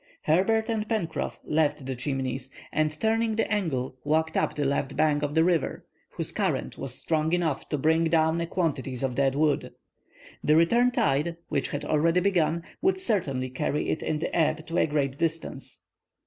Herbert and Pencroff left the Chimneys, and turning the angle, walked up the left bank of the river, whose current was strong enough to bring down a quantity of dead wood. The return tide, which had already begun, would certainly carry it in the ebb to a great distance.